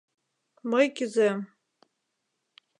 Мый кӱзем!..